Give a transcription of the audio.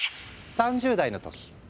３０代の時。